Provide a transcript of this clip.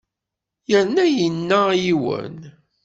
Yerna yenna i yiwen.